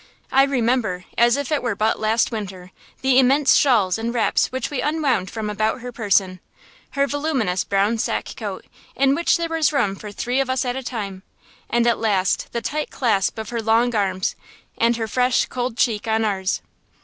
I remember, as if it were but last winter, the immense shawls and wraps which we unwound from about her person, her voluminous brown sack coat in which there was room for three of us at a time, and at last the tight clasp of her long arms, and her fresh, cold cheeks on ours.